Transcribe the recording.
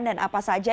dan apa saja